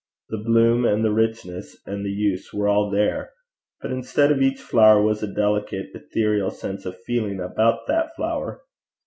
The bloom and the richness and the use were all there; but instead of each flower was a delicate ethereal sense or feeling about that flower.